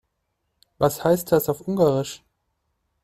Was heißt das auf Ungarisch?